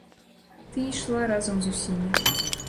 Ты ішла разам з усімі.